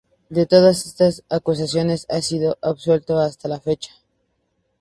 De todas estas acusaciones ha sido absuelto hasta la fecha.